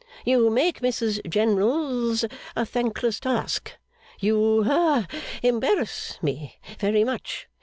You make Mrs General's a thankless task. You ha embarrass me very much.